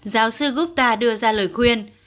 giáo sư gupta đưa ra lời khuyên